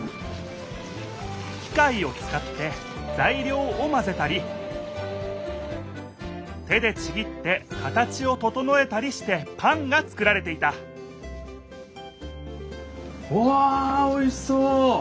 きかいをつかってざいりょうをまぜたり手でちぎって形をととのえたりしてパンが作られていたうわおいしそう！